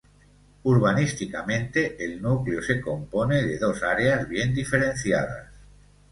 Urbanísticamente, el núcleo se compone de dos áreas bien diferenciadas.